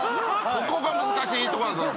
ここが難しいとこなんですよ